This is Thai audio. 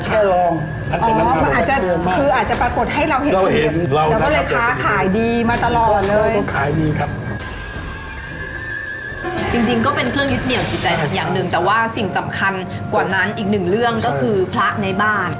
แต่ว่าสิ่งสำคัญกว่านั้นอีกหนึ่งเรื่องก็คือพระในบ้าน